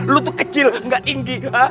lu tuh kecil gak inggi ha